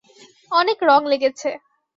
অনেক রং লেগেছে।